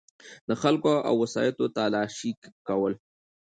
دخلګو او وسایطو تلاښي کول